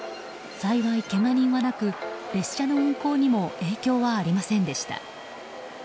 幸い、けが人はなく列車の運行にも影響はありませんでした。